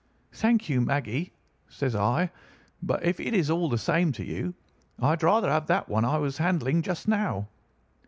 "'Thank you, Maggie,' says I; 'but if it is all the same to you, I'd rather have that one I was handling just now.